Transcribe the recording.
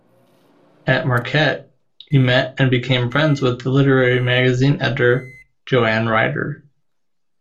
At Marquette, he met and became friends with the literary magazine editor, Joanne Ryder.